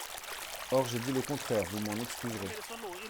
Or j’ai dit le contraire, vous m’en excuserez.